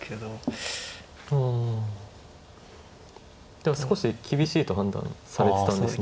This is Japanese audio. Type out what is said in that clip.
でも少し厳しいと判断されてたんですね。